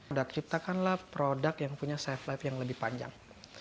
udah ciptakanlah produk yang punya safe life yang lebih panjang